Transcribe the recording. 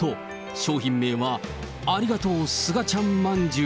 商品名は、ありがとうスガちゃんまんじゅう。